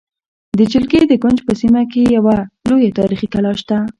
د جلگې د کونج په سیمه کې یوه لویه تاریخې کلا شته